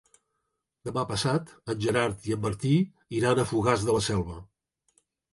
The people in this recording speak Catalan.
Demà passat en Gerard i en Martí iran a Fogars de la Selva.